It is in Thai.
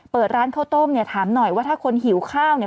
เปิดร้านข้าวต้มเนี่ยถามหน่อยว่าถ้าคนหิวข้าวเนี่ย